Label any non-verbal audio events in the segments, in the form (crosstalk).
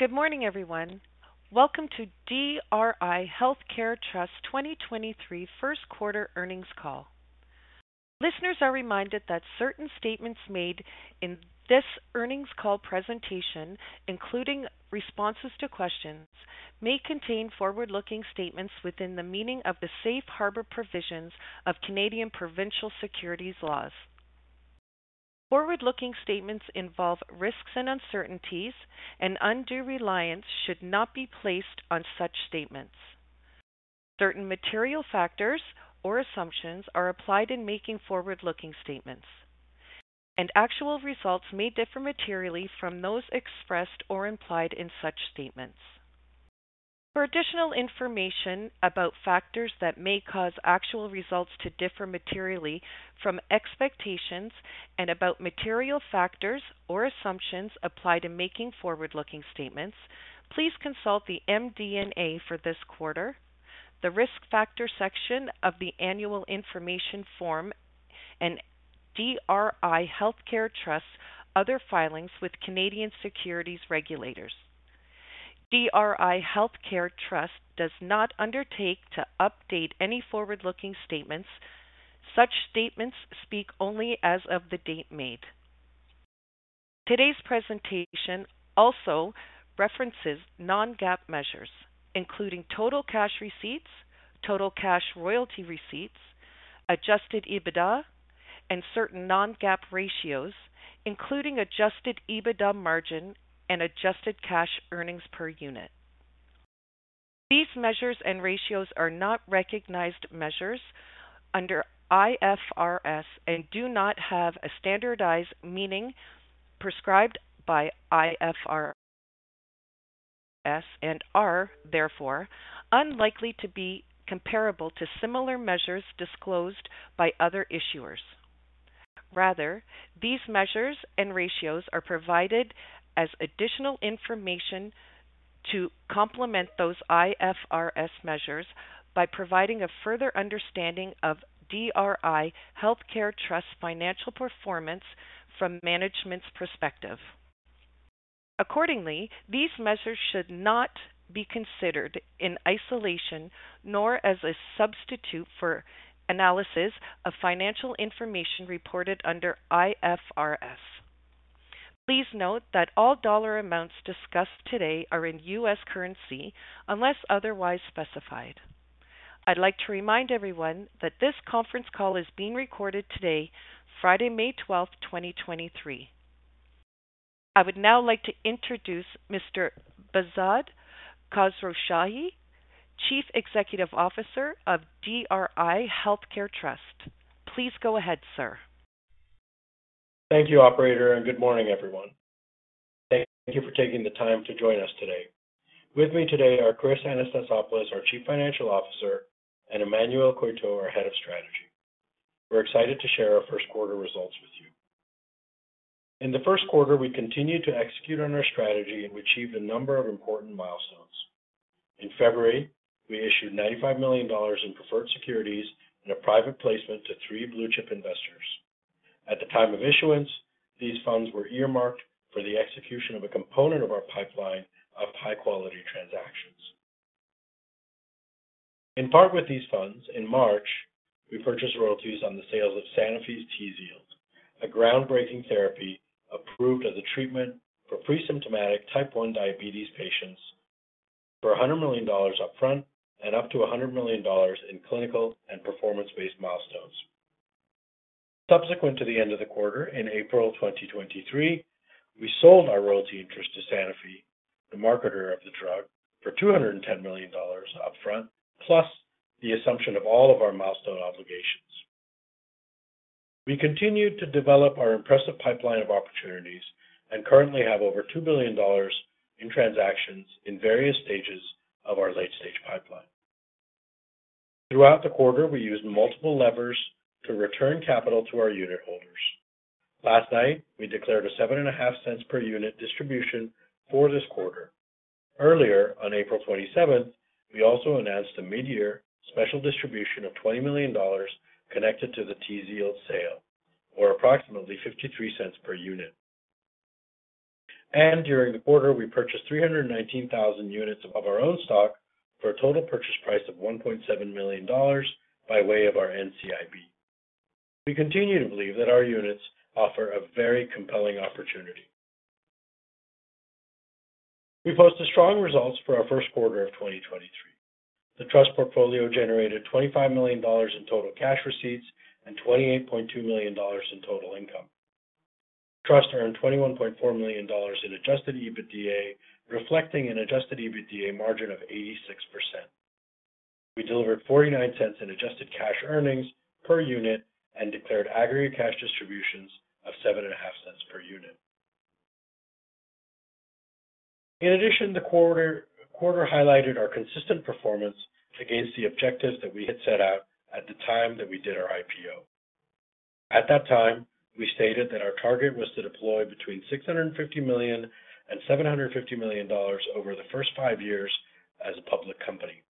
Good morning, everyone. Welcome to DRI Healthcare Trust 2023 first quarter earnings call. Listeners are reminded that certain statements made in this earnings call presentation, including responses to questions, may contain forward-looking statements within the meaning of the safe harbor provisions of Canadian provincial securities laws. Forward-looking statements involve risks and uncertainties. Undue reliance should not be placed on such statements. Certain material factors or assumptions are applied in making forward-looking statements. Actual results may differ materially from those expressed or implied in such statements. For additional information about factors that may cause actual results to differ materially from expectations and about material factors or assumptions applied in making forward-looking statements, please consult the MD&A for this quarter, the risk factor section of the annual information form, and DRI Healthcare Trust other filings with Canadian securities regulators. DRI Healthcare Trust does not undertake to update any forward-looking statements. Such statements speak only as of the date made. Today's presentation also references non-GAAP measures, including Total Cash Receipts, Total Cash Royalty Receipts, Adjusted EBITDA and certain non-GAAP ratios, including Adjusted EBITDA margin and Adjusted Cash Earnings per Unit. These measures and ratios are not recognized measures under IFRS and do not have a standardized meaning prescribed by IFRS, and are therefore unlikely to be comparable to similar measures disclosed by other issuers. Rather, these measures and ratios are provided as additional information to complement those IFRS measures by providing a further understanding of DRI Healthcare Trust financial performance from management's perspective. Accordingly, these measures should not be considered in isolation, nor as a substitute for analysis of financial information reported under IFRS. Please note that all dollar amounts discussed today are in US currency unless otherwise specified. I'd like to remind everyone that this conference call is being recorded today, Friday, May 12, 2023. I would now like to introduce Mr. Behzad Khosrowshahi, Chief Executive Officer of DRI Healthcare Trust. Please go ahead, sir. Thank you, operator. Good morning, everyone. Thank you for taking the time to join us today. With me today are Chris Anastasopoulos, our Chief Financial Officer, and Emmanuel Coeytaux, our Executive Vice President, Strategy. We're excited to share our first quarter results with you. In the first quarter, we continued to execute on our strategy and we achieved a number of important milestones. In February, we issued $95 million in preferred securities in a private placement to blue-chip investors. At the time of issuance, these funds were earmarked for the execution of a component of our pipeline of high-quality transactions. In part with these funds, in March, we purchased royalties on the sales of Sanofi's TZIELD, a groundbreaking therapy approved as a treatment for pre-symptomatic type one diabetes patients for $100 million up front and up to $100 million in clinical and performance-based milestones. Subsequent to the end of the quarter in April 2023, we sold our royalty interest to Sanofi, the marketer of the drug, for $210 million up front, plus the assumption of all of our milestone obligations. We continued to develop our impressive pipeline of opportunities and currently have over $2 billion in transactions in various stages of our late-stage pipeline. Throughout the quarter, we used multiple levers to return capital to our unitholders. Last night, we declared a seven and a half cents per unit distribution for this quarter. Earlier on April 27th, we also announced a mid-year special distribution of $20 million connected to the TZIELD sale, or approximately $0.53 per unit. During the quarter, we purchased 319,000 units of our own stock for a total purchase price of $1.7 million by way of our NCIB. We continue to believe that our units offer a very compelling opportunity. We posted strong results for our 1st quarter of 2023. The Trust portfolio generated $25 million in Total Cash Receipts and $28.2 million in total income. Trust earned $21.4 million in Adjusted EBITDA, reflecting an Adjusted EBITDA margin of 86%. We delivered $0.49 in Adjusted Cash Earnings per Unit and declared aggregate cash distributions of $0.075 per unit. In addition, the quarter highlighted our consistent performance against the objectives that we had set out at the time that we did our IPO. At that time, we stated that our target was to deploy between $650 million and $750 million over the first five years as a public company.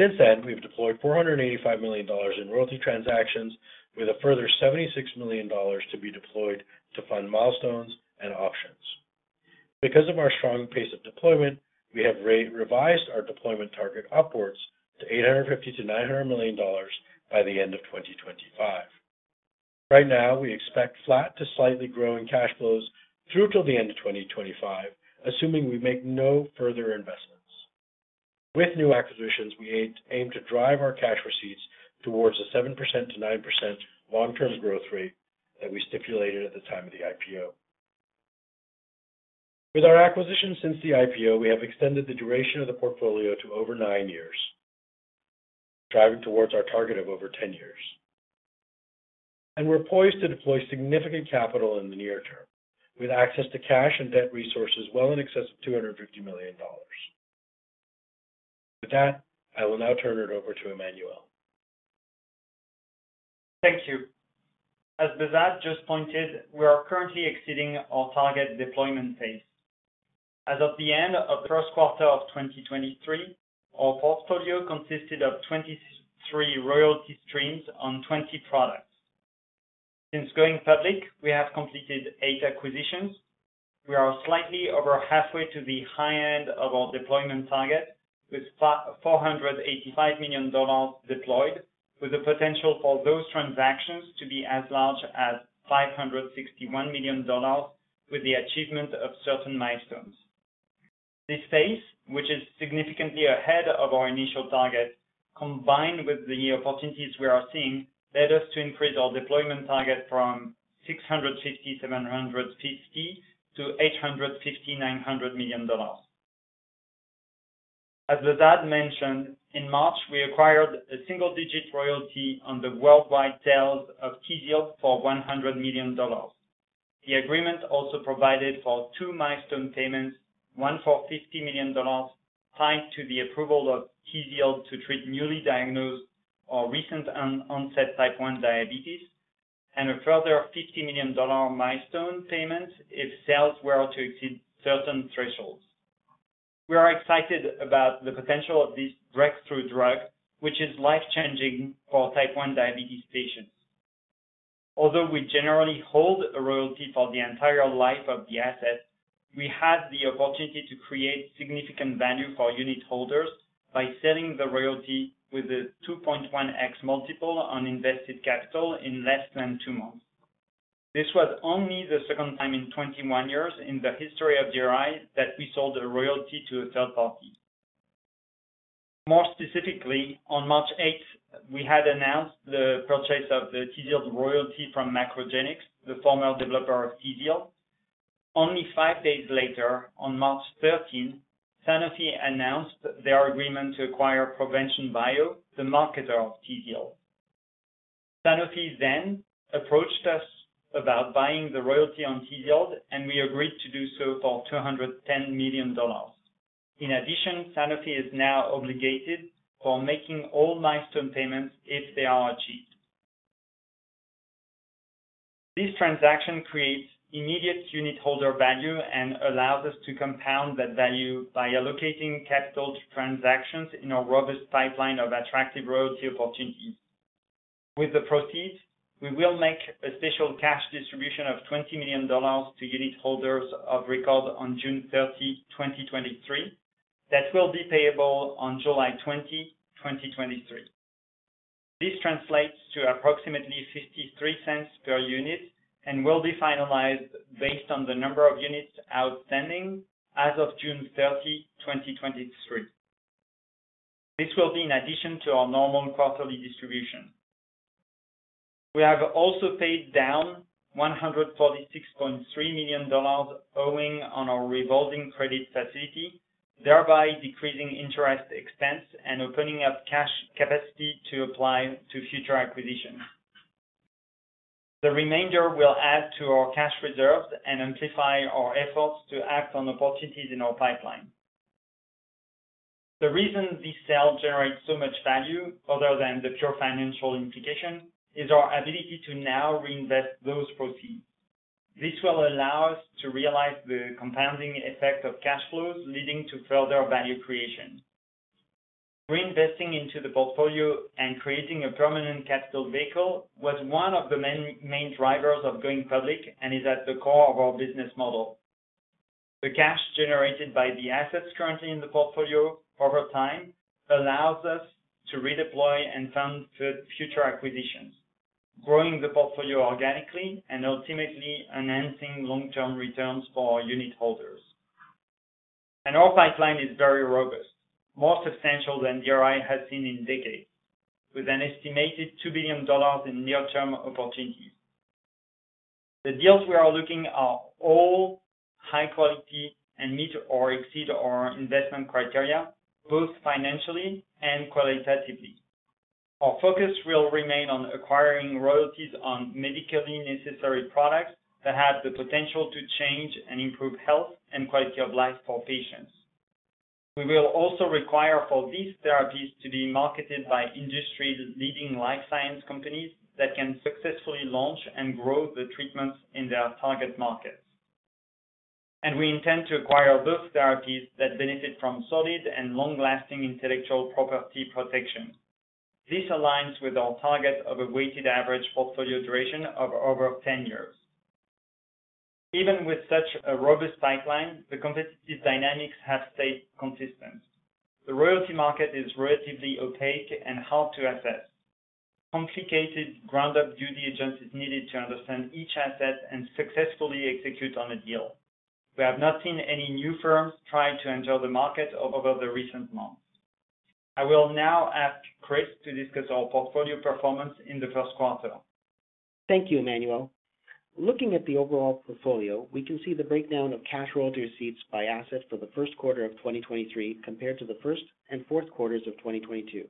Since then, we've deployed $485 million in royalty transactions with a further $76 million to be deployed to fund milestones and options. Because of our strong pace of deployment, we have re-revised our deployment target upwards to $850 million-$900 million by the end of 2025. Right now, we expect flat to slightly growing cash flows through till the end of 2025, assuming we make no further investments. With new acquisitions, we aim to drive our cash receipts towards the 7%-9% long-term growth rate that we stipulated at the time of the IPO. With our acquisitions since the IPO, we have extended the duration of the portfolio to over nine years, driving towards our target of over 10 years. We're poised to deploy significant capital in the near term with access to cash and debt resources well in excess of $250 million. With that, I will now turn it over to Emmanuel. Thank you. As Behzad just pointed, we are currently exceeding our target deployment pace. As of the end of the 1st quarter of 2023, our portfolio consisted of 23 royalty streams on 20 products. Since going public, we have completed eight acquisitions. We are slightly over halfway to the high end of our deployment target with $485 million deployed, with the potential for those transactions to be as large as $561 million with the achievement of certain milestones. This phase, which is significantly ahead of our initial target, combined with the opportunities we are seeing, led us to increase our deployment target from $650 million-$750 million to $850 million-$900 million. As Behzad mentioned, in March, we acquired a single-digit royalty on the worldwide sales of TZIELD for $100 million. The agreement also provided for two milestone payments, one for $50 million tied to the approval of TZIELD to treat newly diagnosed or recent on-onset type 1 diabetes, and a further $50 million milestone payment if sales were to exceed certain thresholds. We are excited about the potential of this breakthrough drug, which is life-changing for type 1 diabetes patients. Although we generally hold a royalty for the entire life of the asset, we have the opportunity to create significant value for unitholders by selling the royalty with a 2.1x multiple on invested capital in less than two months. This was only the second time in 21 years in the history of DRI that we sold a royalty to a third party. More specifically, on March 8th, we had announced the purchase of the TZIELD royalty from MacroGenics, the former developer of TZIELD. Only five days later, on March 13th, Sanofi announced their agreement to acquire Provention Bio, the marketer of TZIELD. Sanofi approached us about buying the royalty on TZIELD, and we agreed to do so for $210 million. In addition, Sanofi is now obligated for making all milestone payments if they are achieved. This transaction creates immediate unitholder value and allows us to compound that value by allocating capital to transactions in our robust pipeline of attractive royalty opportunities. With the proceeds, we will make a special cash distribution of $20 million to unitholders of record on June 30, 2023, that will be payable on July 20, 2023. This translates to approximately $0.53 per unit and will be finalized based on the number of units outstanding as of June 30, 2023. This will be in addition to our normal quarterly distribution. We have also paid down $146.3 million owing on our revolving credit facility, thereby decreasing interest expense and opening up cash capacity to apply to future acquisitions. The remainder will add to our cash reserves and amplify our efforts to act on opportunities in our pipeline. The reason this sale generates so much value other than the pure financial implication is our ability to now reinvest those proceeds. This will allow us to realize the compounding effect of cash flows leading to further value creation. Reinvesting into the portfolio and creating a permanent capital vehicle was one of the main drivers of going public and is at the core of our business model. The cash generated by the assets currently in the portfolio over time allows us to redeploy and fund future acquisitions, growing the portfolio organically and ultimately enhancing long-term returns for our unitholders. Our pipeline is very robust, more substantial than DRI Healthcare has seen in decades, with an estimated $2 billion in near-term opportunities. The deals we are looking are all high quality and meet or exceed our investment criteria, both financially and qualitatively. Our focus will remain on acquiring royalties on medically necessary products that have the potential to change and improve health and quality of life for patients. We will also require for these therapies to be marketed by industry-leading life science companies that can successfully launch and grow the treatments in their target markets. We intend to acquire those therapies that benefit from solid and long-lasting intellectual property protection. This aligns with our target of a weighted average portfolio duration of over 10 years. Even with such a robust pipeline, the competitive dynamics have stayed consistent. The royalty market is relatively opaque and hard to assess. Complicated ground-up due diligence is needed to understand each asset and successfully execute on a deal. We have not seen any new firms try to enter the market over the recent months. I will now ask Chris to discuss our portfolio performance in the first quarter. Thank you, Emmanuel. Looking at the overall portfolio, we can see the breakdown of cash royalty receipts by asset for the first quarter of 2023 compared to the first and fourth quarters of 2022.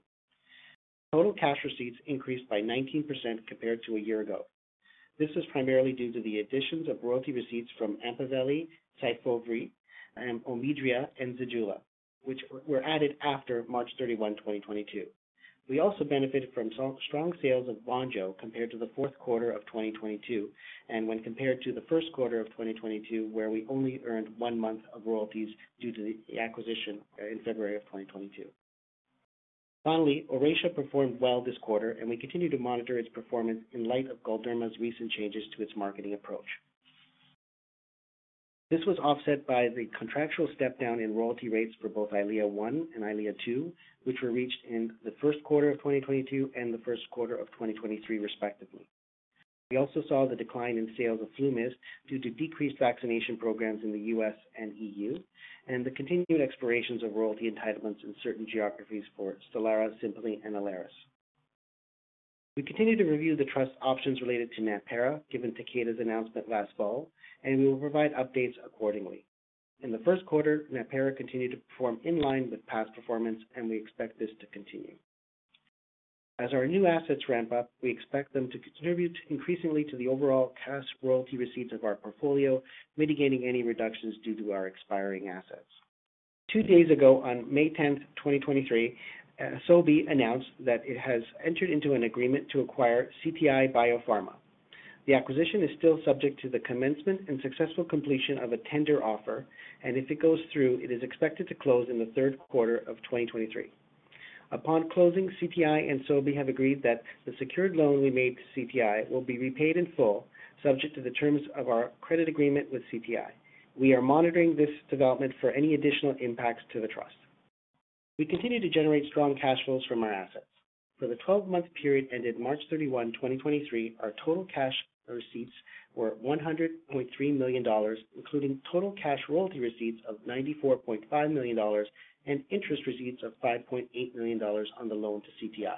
Total Cash Receipts increased by 19% compared to a year ago. This is primarily due to the additions of royalty receipts from Empaveli, Syfovre, and OMIDRIA and Zejula, which were added after March 31, 2022. We also benefited from strong sales of VONJO compared to the fourth quarter of 2022, and when compared to the first quarter of 2022, where we only earned one month of royalties due to the acquisition in February of 2022. Finally, Aurinia performed well this quarter, and we continue to monitor its performance in light of Galderma's recent changes to its marketing approach. This was offset by the contractual step down in royalty rates for both EYLEA 1 and EYLEA 2, which were reached in the first quarter of 2022 and the first quarter of 2023 respectively. We also saw the decline in sales of FLUMIST due to decreased vaccination programs in the U.S. and EU, and the continued expirations of royalty entitlements in certain geographies for STELARA, SIMPONI, and ILARIS. We continue to review the trust options related to NATPARA given Takeda's announcement last fall, and we will provide updates accordingly. In the first quarter, NATPARA continued to perform in line with past performance, and we expect this to continue. As our new assets ramp up, we expect them to contribute increasingly to the overall Cash Royalty Receipts of our portfolio, mitigating any reductions due to our expiring assets. Two days ago, on May 10, 2023, Sobi announced that it has entered into an agreement to acquire CTI BioPharma. The acquisition is still subject to the commencement and successful completion of a tender offer, and if it goes through, it is expected to close in the third quarter of 2023. Upon closing, CTI and Sobi have agreed that the secured loan we made to CTI will be repaid in full, subject to the terms of our credit agreement with CTI. We are monitoring this development for any additional impacts to the Trust. We continue to generate strong cash flows from our assets. For the 12-month period ended March 31, 2023, our Total Cash Receipts were $100.3 million, including Total Cash Royalty Receipts of $94.5 million and interest receipts of $5.8 million on the loan to CTI.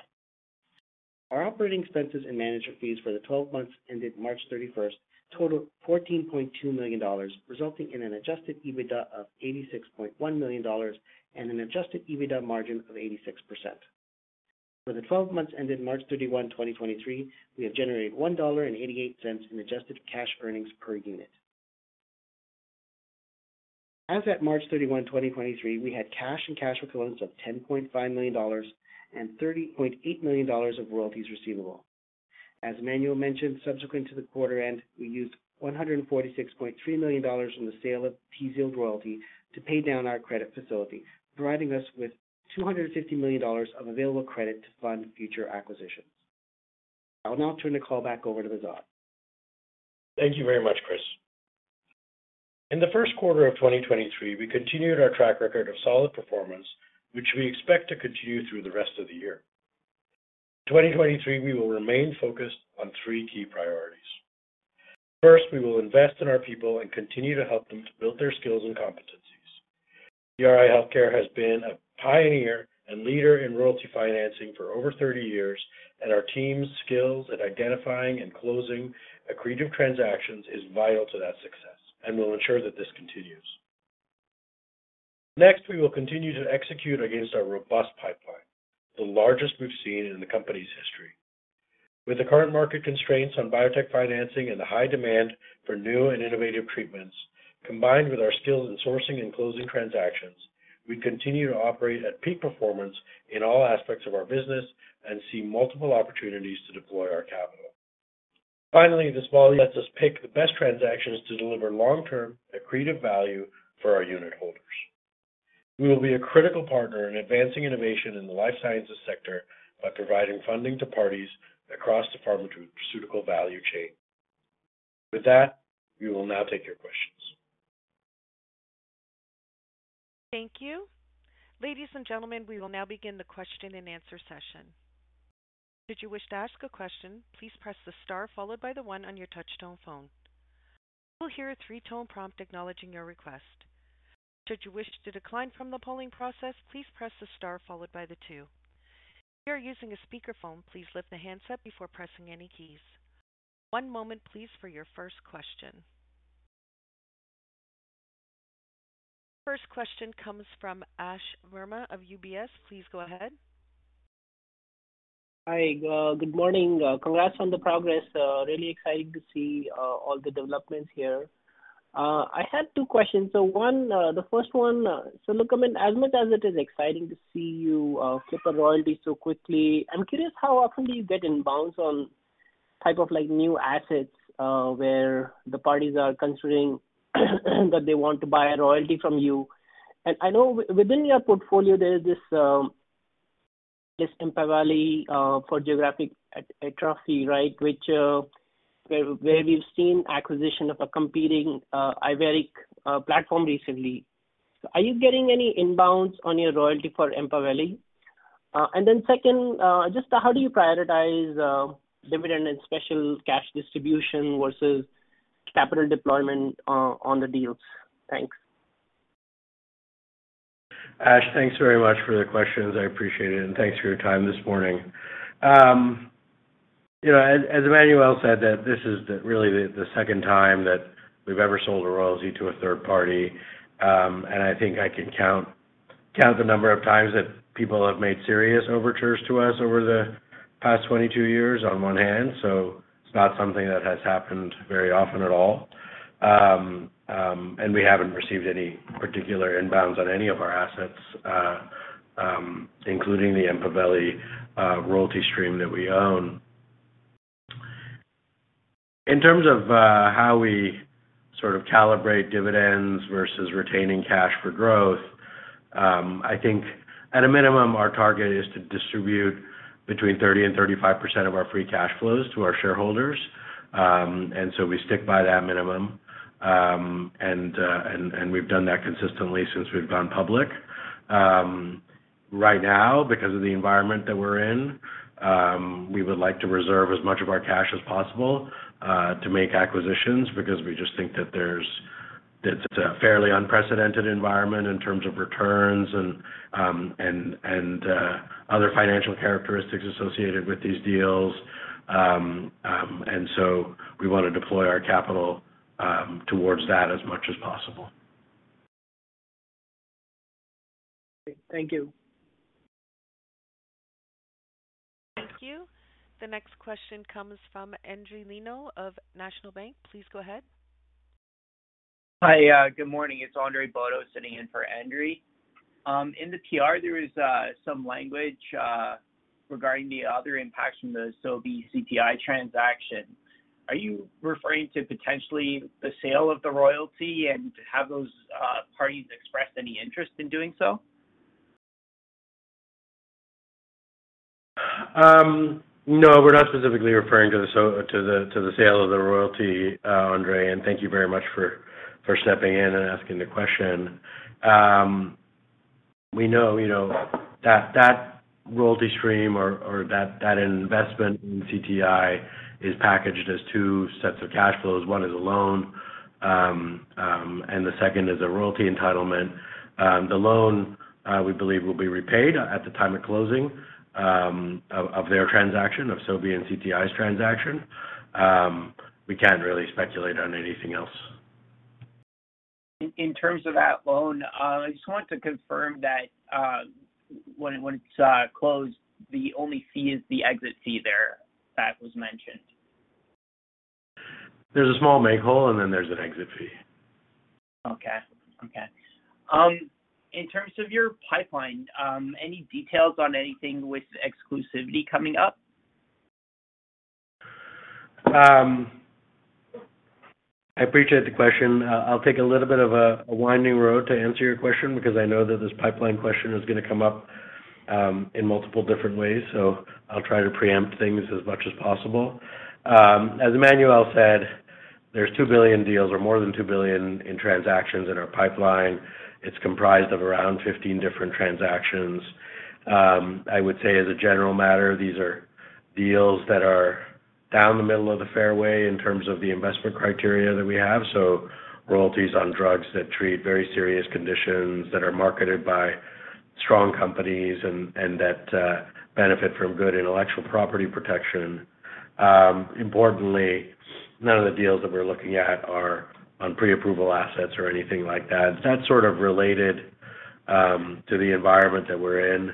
Our operating expenses and management fees for the 12 months ended March 31 totaled $14.2 million, resulting in an Adjusted EBITDA of $86.1 million and an Adjusted EBITDA margin of 86%. For the 12 months ended March 31, 2023, we have generated $1.88 in Adjusted Cash Earnings per Unit. As at March 31, 2023, we had cash and cash equivalents of $10.5 million and $30.8 million of royalties receivable. As Emmanuel mentioned, subsequent to the quarter end, we used $146.3 million from the sale of TZIELD royalty to pay down our credit facility, providing us with $250 million of available credit to fund future acquisitions. I will now turn the call back over to Behzad. Thank you very much, Chris. In the 1st quarter of 2023, we continued our track record of solid performance, which we expect to continue through the rest of the year. In 2023, we will remain focused on three key priorities. First, we will invest in our people and continue to help them to build their skills and competencies. DRI Healthcare has been a pioneer and leader in royalty financing for over 30 years, and our team's skills at identifying and closing accretive transactions is vital to that success, and we'll ensure that this continues. Next, we will continue to execute against our robust pipeline, the largest we've seen in the company's history. With the current market constraints on biotech financing and the high demand for new and innovative treatments, combined with our skills in sourcing and closing transactions, we continue to operate at peak performance in all aspects of our business and see multiple opportunities to deploy our capital. Finally, this volume lets us pick the best transactions to deliver long-term accretive value for our unitholders. We will be a critical partner in advancing innovation in the life sciences sector by providing funding to parties across the pharmaceutical value chain. With that, we will now take your questions. Thank you. Ladies and gentlemen, we will now begin the question and answer session. Should you wish to ask a question, please press the star followed by the one on your touchtone phone. You will hear a three-tone prompt acknowledging your request. Should you wish to decline from the polling process, please press the star followed by the two. If you are using a speakerphone, please lift the handset before pressing any keys. One moment please for your first question. First question comes from Ashwani Verma of UBS. Please go ahead. Hi, good morning. Congrats on the progress. Really exciting to see all the developments here. I had two questions. The first one, look, I mean, as much as it is exciting to see you flip a royalty so quickly, I'm curious, how often do you get inbounds on like new assets, where the parties are considering that they want to buy a royalty from you. I know within your portfolio there is this Empaveli, Geographic Atrophy, right? Which... Where we've seen acquisition of a competing Iveric Bio platform recently. Are you getting any inbounds on your royalty for Empaveli? Then second, just how do you prioritize dividend and special cash distribution versus capital deployment on the deals? Thanks. Ash, thanks very much for the questions. I appreciate it, and thanks for your time this morning. you know, as Emmanuel said, that this is really the second time that we've ever sold a royalty to a third party. I think I can count the number of times that people have made serious overtures to us over the past 22 years on one hand. It's not something that has happened very often at all. We haven't received any particular inbounds on any of our assets, including the Empaveli royalty stream that we own. In terms of how we sort of calibrate dividends versus retaining cash for growth, I think at a minimum, our target is to distribute between 30% and 35% of our free cash flows to our shareholders. We stick by that minimum. We've done that consistently since we've gone public. Right now, because of the environment that we're in, we would like to reserve as much of our cash as possible to make acquisitions because we just think that it's a fairly unprecedented environment in terms of returns and other financial characteristics associated with these deals. We want to deploy our capital towards that as much as possible. Thank you. Thank you. The next question comes from Andre (inaudible) of National Bank. Please go ahead. Hi, good morning. It's Andre Bodo sitting in for Andre. In the PR there is some language regarding the other impacts from the Sobi CTI transaction. Are you referring to potentially the sale of the royalty and have those parties expressed any interest in doing so? No, we're not specifically referring to the sale of the royalty, Andre, thank you very much for stepping in and asking the question. We know, you know, that royalty stream or that investment in CTI is packaged as two sets of cash flows. One is a loan, the second is a royalty entitlement. The loan, we believe will be repaid at the time of closing of their transaction, of Sobi and CTI's transaction. We can't really speculate on anything else. In terms of that loan, I just wanted to confirm that when it's closed, the only fee is the exit fee there that was mentioned. There's a small make whole and then there's an exit fee. Okay. Okay. In terms of your pipeline, any details on anything with exclusivity coming up? I appreciate the question. I'll take a little bit of a winding road to answer your question because I know that this pipeline question is gonna come up in multiple different ways. I'll try to preempt things as much as possible. As Emmanuel said, there's $2 billion deals or more than $2 billion in transactions in our pipeline. It's comprised of around 15 different transactions. I would say as a general matter, these are deals that are down the middle of the fairway in terms of the investment criteria that we have. Royalties on drugs that treat very serious conditions that are marketed by strong companies and that benefit from good intellectual property protection. Importantly, none of the deals that we're looking at are on pre-approval assets or anything like that. That's sort of related to the environment that we're in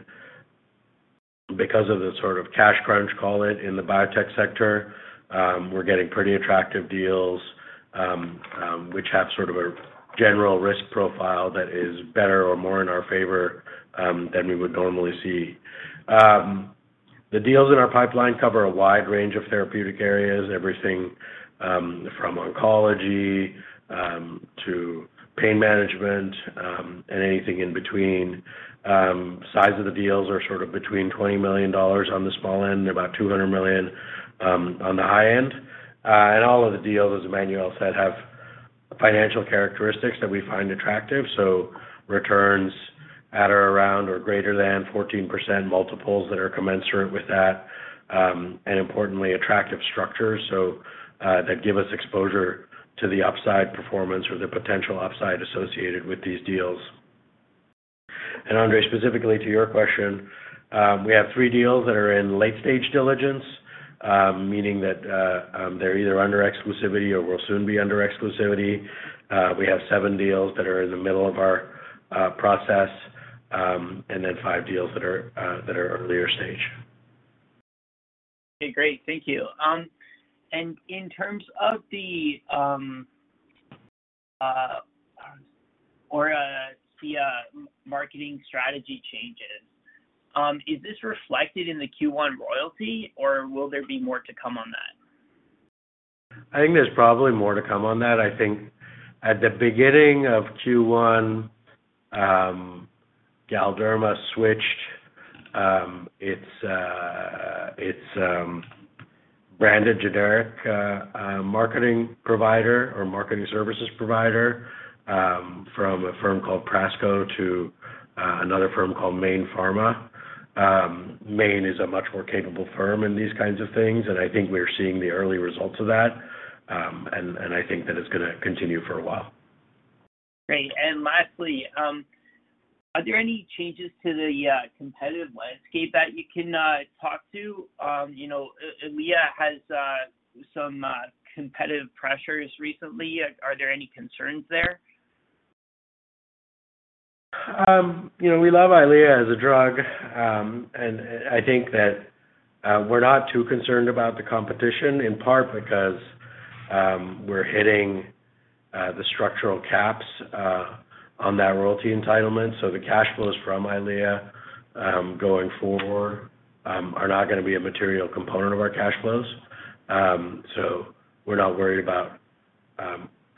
because of the sort of cash crunch, call it, in the biotech sector. We're getting pretty attractive deals, which have sort of a general risk profile that is better or more in our favor than we would normally see. The deals in our pipeline cover a wide range of therapeutic areas, everything from oncology to pain management and anything in between. Size of the deals are sort of between $20 million on the small end and about $200 million on the high end. And all of the deals, as Emmanuel said, have financial characteristics that we find attractive. Returns at or around or greater than 14% multiples that are commensurate with that. Importantly, attractive structures, so that give us exposure to the upside performance or the potential upside associated with these deals. Andre, specifically to your question, we have three deals that are in late-stage diligence, meaning that they're either under exclusivity or will soon be under exclusivity. We have 7 deals that are in the middle of our process, and then five deals that are earlier stage. Okay, great. Thank you. In terms of the marketing strategy changes, is this reflected in the Q1 royalty, or will there be more to come on that? I think there's probably more to come on that. I think at the beginning of Q1, Galderma switched its branded generic marketing provider or marketing services provider from a firm called Prasco to another firm called Mayne Pharma. Mayne is a much more capable firm in these kinds of things, and I think we are seeing the early results of that. I think that it's gonna continue for a while. Great. Lastly, are there any changes to the competitive landscape that you can talk to? You know, EYLEA has some competitive pressures recently. Are there any concerns there? You know, we love EYLEA as a drug. I think that we're not too concerned about the competition, in part because we're hitting the structural caps on that royalty entitlement. The cash flows from EYLEA, going forward, are not gonna be a material component of our cash flows. We're not worried about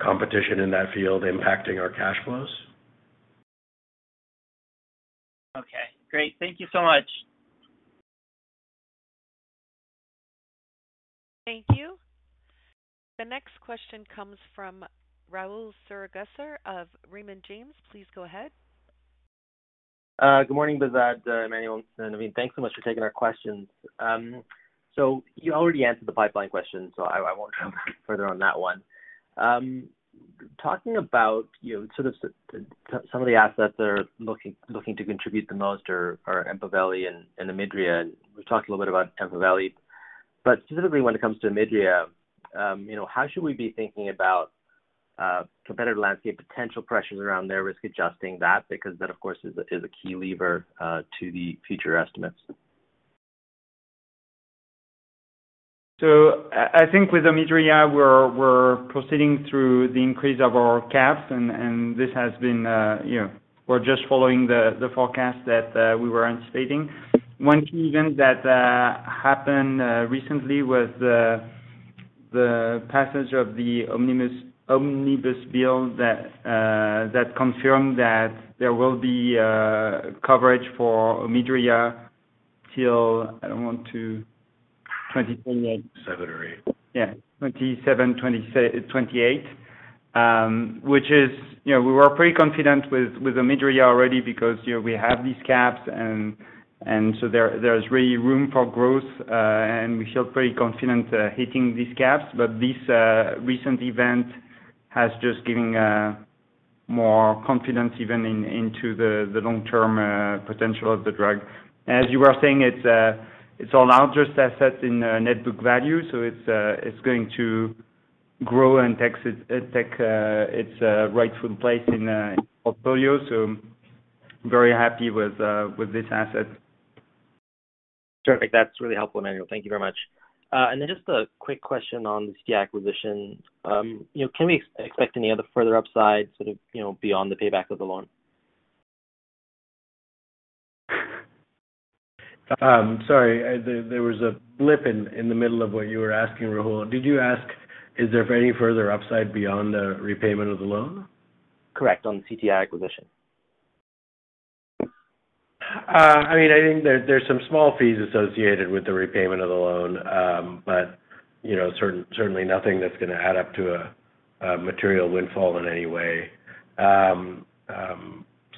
competition in that field impacting our cash flows. Okay, great. Thank you so much. Thank you. The next question comes from Rahul Sarugaser of Raymond James. Please go ahead. Good morning, Behzad, Emmanuel, and Navin. Thanks so much for taking our questions. You already answered the pipeline question, so I won't go further on that one. Talking about, you know, sort of some of the assets that are looking to contribute the most are Empaveli and OMIDRIA. We've talked a little bit about Empaveli, but specifically when it comes to OMIDRIA, you know, how should we be thinking about competitive landscape potential pressures around there, risk-adjusting that? That, of course, is a key lever to the future estimates. I think with OMIDRIA, we're proceeding through the increase of our caps, and this has been, you know, we're just following the forecast that we were anticipating. One key event that happened recently with the passage of the omnibus bill that confirmed that there will be coverage for OMIDRIA till... I don't want to. Seven or eight. 2027-2028. Which is, you know, we were pretty confident with OMIDRIA already because, you know, we have these caps and so there's really room for growth. And we feel pretty confident hitting these caps. This recent event has just given more confidence even into the long-term potential of the drug. As you were saying, it's our largest asset in net book value, so it's going to grow and take its rightful place in portfolio. Very happy with this asset. Terrific. That's really helpful, Emmanuel. Thank you very much. Just a quick question on the CTI acquisition. You know, can we expect any other further upside, sort of, you know, beyond the payback of the loan? Sorry, there was a blip in the middle of what you were asking, Rahul. Did you ask, is there any further upside beyond the repayment of the loan? Correct. On the CTI acquisition. I mean, I think there's some small fees associated with the repayment of the loan. You know, certainly nothing that's gonna add up to a material windfall in any way.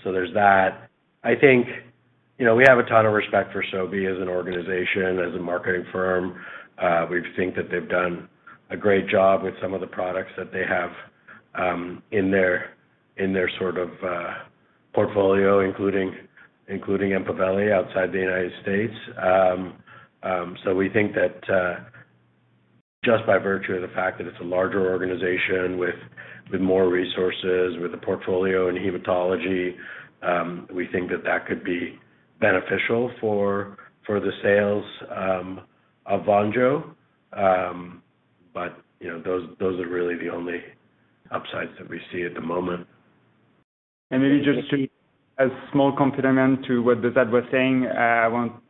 There's that. I think, you know, we have a ton of respect for Sobi as an organization, as a marketing firm. We think that they've done a great job with some of the products that they have, in their sort of portfolio, including Empaveli outside the United States. We think that just by virtue of the fact that it's a larger organization with more resources, with a portfolio in hematology, we think that that could be beneficial for the sales of VONJO. You know, those are really the only upsides that we see at the moment. Maybe just to, as small complement to what Behzad was saying,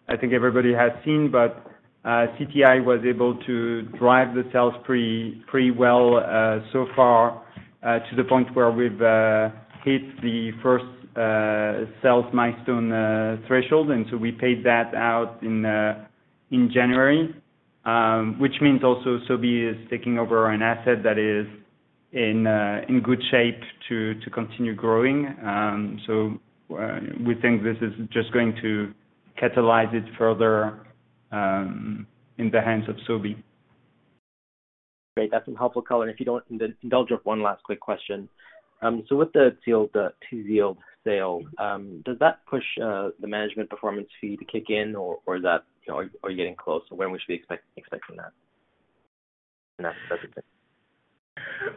I think everybody has seen, but CTI was able to drive the sales pretty well so far, to the point where we've hit the first sales milestone threshold. We paid that out in January, which means also Sobi is taking over an asset that is in good shape to continue growing. We think this is just going to catalyze it further in the hands of Sobi. Great. That's some helpful color. If you don't mind, I'll just one last quick question. With the TZIELD sale, does that push the management performance fee to kick in or is that, you know, are you getting close? When we should be expecting that?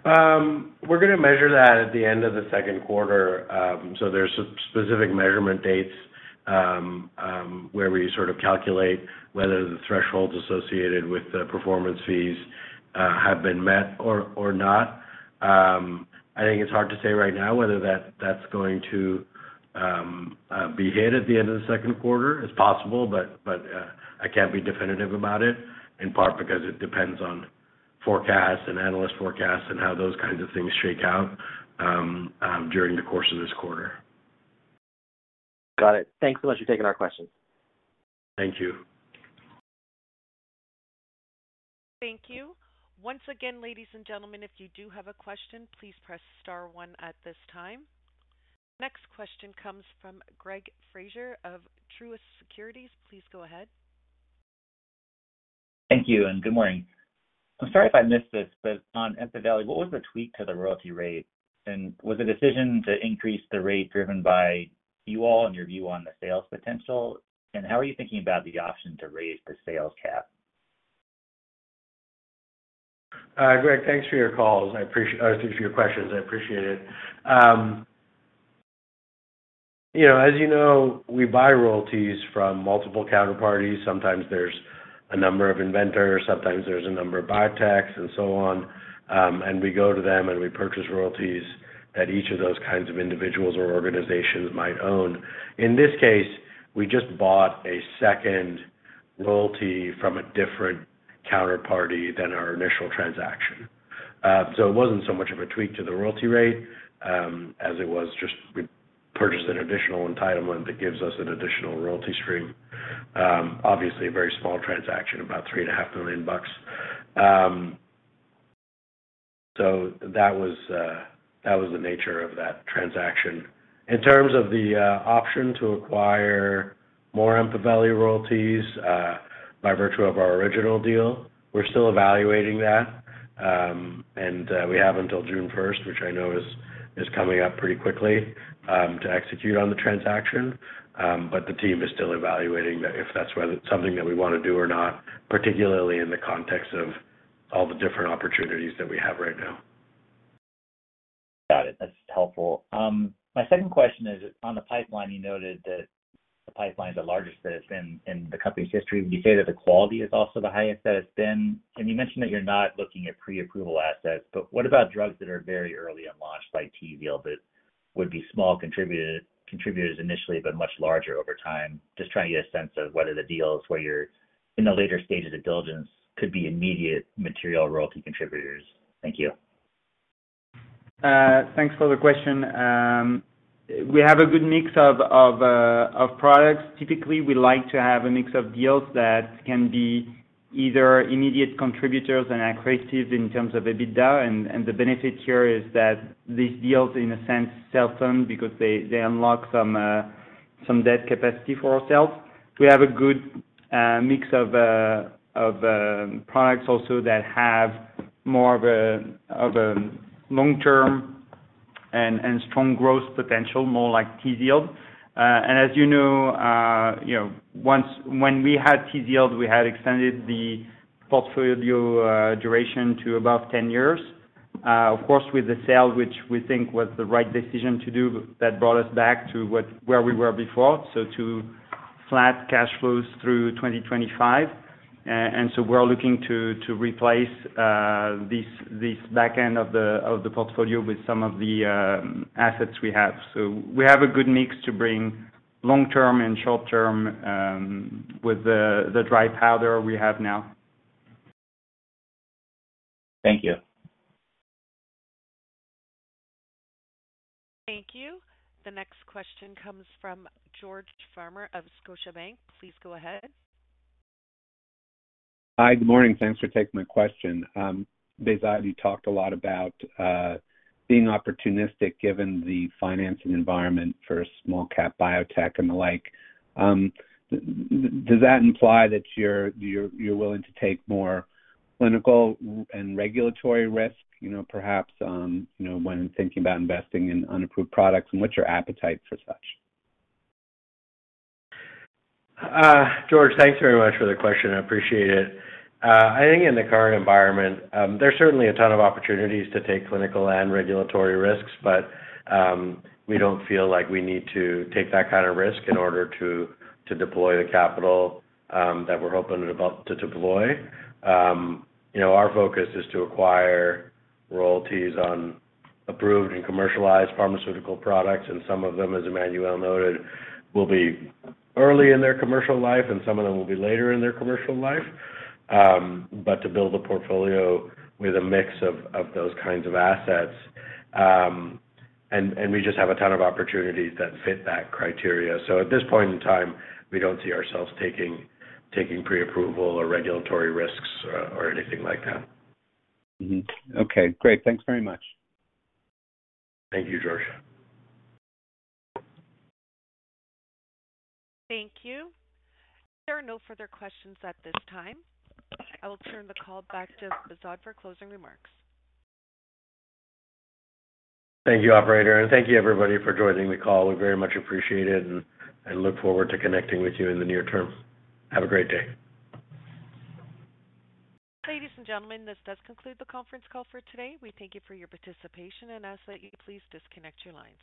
We're gonna measure that at the end of the second quarter. There's some specific measurement dates where we sort of calculate whether the thresholds associated with the performance fees have been met or not. I think it's hard to say right now whether that's going to be hit at the end of the second quarter. It's possible, but I can't be definitive about it, in part because it depends on forecasts and analyst forecasts and how those kinds of things shake out during the course of this quarter. Got it. Thanks so much for taking our question. Thank you. Thank you. Once again, ladies and gentlemen, if you do have a question, please press star one at this time. Next question comes from Greg Fraser of Truist Securities. Please go ahead. Thank you and good morning. I'm sorry if I missed this, but on Empaveli, what was the tweak to the royalty rate? Was the decision to increase the rate driven by you all and your view on the sales potential? How are you thinking about the option to raise the sales cap? Greg, thanks for your call. For your questions, I appreciate it. You know, as you know, we buy royalties from multiple counterparties. Sometimes there's a number of inventors, sometimes there's a number of buybacks and so on, and we go to them and we purchase royalties that each of those kinds of individuals or organizations might own. In this case, we just bought a second royalty from a different counterparty than our initial transaction. It wasn't so much of a tweak to the royalty rate, as it was just we purchased an additional entitlement that gives us an additional royalty stream. Obviously a very small transaction, about three and a half million bucks. That was the nature of that transaction. In terms of the option to acquire more Empaveli royalties, by virtue of our original deal, we're still evaluating that. We have until June first, which I know is coming up pretty quickly, to execute on the transaction. The team is still evaluating that whether something that we wanna do or not, particularly in the context of all the different opportunities that we have right now. Got it. That's helpful. My second question is on the pipeline. You noted that the pipeline is the largest that it's been in the company's history. Would you say that the quality is also the highest that it's been? You mentioned that you're not looking at pre-approval assets, but what about drugs that are very early and launched by TZIELD that would be small contributors initially, but much larger over time? Just trying to get a sense of whether the deals where you're in the later stages of diligence could be immediate material royalty contributors. Thank you. Thanks for the question. We have a good mix of products. Typically, we like to have a mix of deals that can be either immediate contributors and accretive in terms of EBITDA. The benefit here is that these deals, in a sense, sell some because they unlock some debt capacity for ourselves. We have a good mix of products also that have more of a long-term and strong growth potential, more like TZIELD. As you know, you know, once when we had TZIELD, we had extended the portfolio duration to above 10 years. Of course, with the sale, which we think was the right decision to do, that brought us back to where we were before, so to flat cash flows through 2025. We're looking to replace this back end of the portfolio with some of the assets we have. We have a good mix to bring long-term and short-term with the dry powder we have now. Thank you. Thank you. The next question comes from George Farmer of Scotiabank. Please go ahead. Hi. Good morning. Thanks for taking my question. Behzad, you talked a lot about being opportunistic given the financing environment for small cap biotech and the like. Does that imply that you're willing to take more clinical and regulatory risk, you know, perhaps, you know, when thinking about investing in unapproved products, and what's your appetite for such? George, thanks very much for the question. I appreciate it. I think in the current environment, there's certainly a ton of opportunities to take clinical and regulatory risks, but we don't feel like we need to take that kind of risk in order to deploy the capital that we're hoping to deploy. You know, our focus is to acquire royalties on approved and commercialized pharmaceutical products, and some of them, as Emmanuel noted, will be early in their commercial life, and some of them will be later in their commercial life. To build a portfolio with a mix of those kinds of assets, and we just have a ton of opportunities that fit that criteria. At this point in time, we don't see ourselves taking pre-approval or regulatory risks or anything like that. Mm-hmm. Okay, great. Thanks very much. Thank you, George. Thank you. There are no further questions at this time. I will turn the call back to Behzad for closing remarks. Thank you, operator. Thank you everybody for joining the call. We very much appreciate it and look forward to connecting with you in the near term. Have a great day. Ladies and gentlemen, this does conclude the conference call for today. We thank you for your participation and ask that you please disconnect your lines.